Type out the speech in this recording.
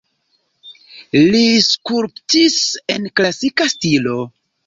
Li skulptis en klasika stilo.